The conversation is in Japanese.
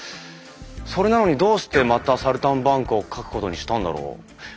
それなのにどうしてまたサルタンバンクを描くことにしたんだろう？